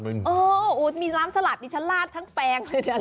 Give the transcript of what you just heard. เออมีล้ามสลัดดิฉันระครั้งแปลงเลย